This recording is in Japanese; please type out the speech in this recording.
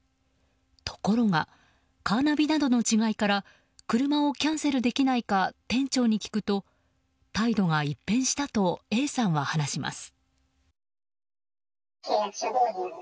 ところがカーナビなどの違いから車をキャンセルできないか店長に聞くと態度が一変したとＡさんは話します。